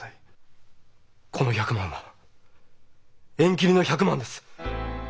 この１００万は縁切りの１００万です！